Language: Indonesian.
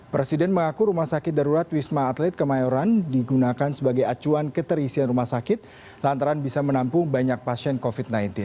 presiden mengaku rumah sakit darurat wisma atlet kemayoran digunakan sebagai acuan keterisian rumah sakit lantaran bisa menampung banyak pasien covid sembilan belas